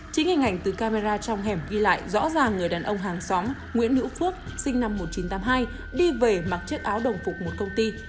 chính hình ảnh từ camera trong hẻm ghi lại rõ ràng người đàn ông hàng xóm nguyễn hữu phước sinh năm một nghìn chín trăm tám mươi hai đi về mặc chiếc áo đồng phục một công ty